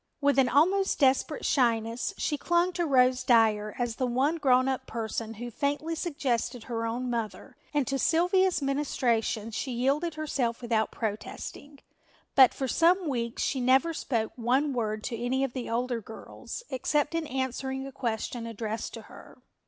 With an almost desperate shyness she clung to Rose Dyer as the one grown up person who faintly suggested her own mother and to Sylvia's ministrations she yielded herself without protesting, but for some weeks she never spoke one word to any of the older girls except in answering a question addressed to her.